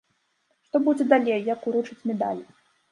Што будзе далей, як уручаць медаль?